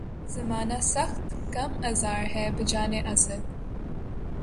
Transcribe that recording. زمانہ سخت کم آزار ہے بجانِ اسد